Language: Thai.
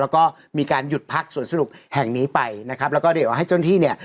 แล้วก็มีการหยุดพักสวนสนุกแห่งนี้ไปนะครับแล้วก็เดี๋ยวให้เจ้าหน้าที่เนี่ย